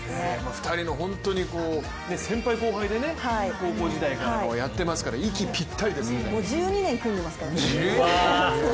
２人の本当に先輩・後輩でね高校時代からやってますからもう１２年組んでいますから。